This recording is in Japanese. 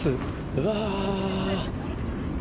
うわー。